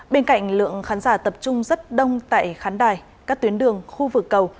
bên cạnh lượng khán giả tập trung rất đông tại khán đài các tuyến đường khu vực cầu